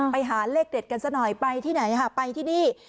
ไปหาเลขเด็ดกันซะหน่อยไปที่ไหนค่ะไปที่นี่